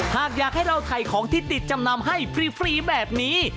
หากอยากให้เราถ่ายของที่ติดจำนำให้ฟรีแบบนี้